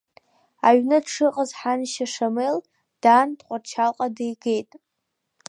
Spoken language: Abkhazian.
Аҩны дшыҟаз ҳаншьа Шамел даан Тҟәарчалҟа дигеит.